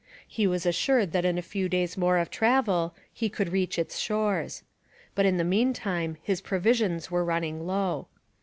He was assured that in a few days more of travel he could reach its shores. But in the meantime his provisions were running low.